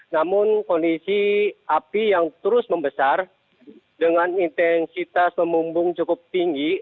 namun kondisi api yang terus membesar dengan intensitas pemumbung cukup tinggi